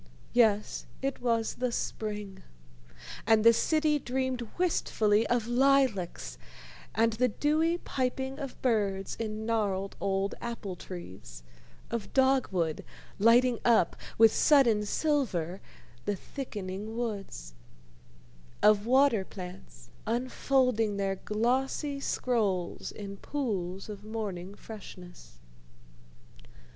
Yes, it was the spring, and the city dreamed wistfully of lilacs and the dewy piping of birds in gnarled old apple trees, of dogwood lighting up with sudden silver the thickening woods, of water plants unfolding their glossy scrolls in pools of morning freshness.